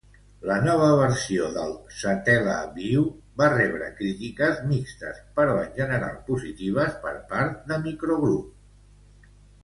La nova versió de l'Satellaview va rebre crítiques mixtes, però en general positives, per part de Microgroup.